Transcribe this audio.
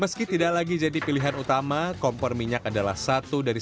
meski tidak lagi jadi pilihan utama kompor minyak adalah satu dari satu